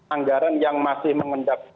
anggaran yang masih mengendap